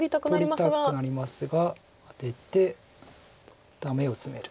取りたくなりますがアテてダメをツメる。